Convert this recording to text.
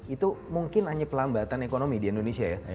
itu mungkin hanya pelambatan ekonomi di indonesia ya